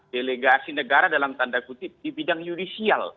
delegasi negara dalam tanda kutip di bidang judicial